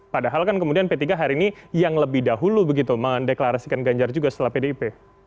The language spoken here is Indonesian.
padahal kan kemudian p tiga hari ini yang lebih dahulu begitu mendeklarasikan ganjar juga setelah pdip